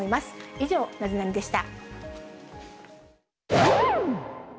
以上、ナゼナニっ？でした。